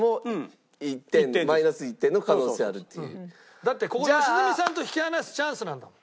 だってここ良純さんと引き離すチャンスなんだもん。